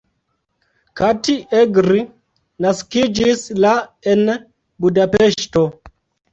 Kati Egri naskiĝis la en Budapeŝto.